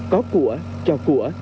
có của cho của